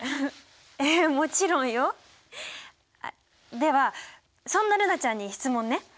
ではそんな瑠菜ちゃんに質問ね。